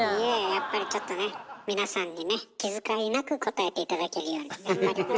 やっぱりちょっとね皆さんにね気遣いなく答えて頂けるように頑張ります。